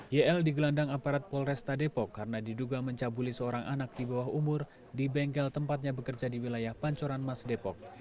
yl digelandang aparat polresta depok karena diduga mencabuli seorang anak di bawah umur di bengkel tempatnya bekerja di wilayah pancoran mas depok